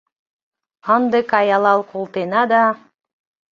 Ынде каялал колтена да